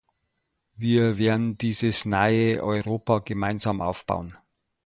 Wir werden dieses neue Europa gemeinsam aufbauen.